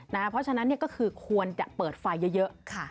เพราะฉะนั้นก็คือควรจะเปิดไฟเยอะ